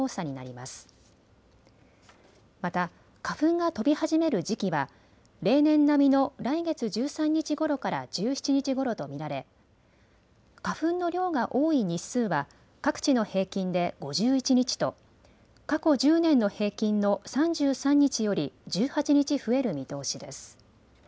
また花粉が飛び始める時期は例年並みの来月１３日ごろから１７日ごろと見られ花粉の量が多い日数は各地の平均で５１日と過去１０年の平均の３３日より１８日増える見通しです。